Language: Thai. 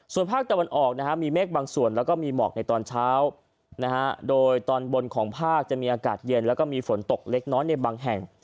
ส่วนภาคตะวันออกมีเมฆบางส่วนแล้วก็มีหมอกในตอนเช้าโดยตอนบนของภาคจะมีอากาศเย็นแล้วก็มีฝนตกเล็กน้อยในบางแห่ง